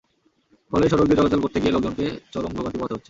ফলে সড়ক দিয়ে চলাচল করতে গিয়ে লোকজনকে চরম ভোগান্তি পোহাতে হচ্ছে।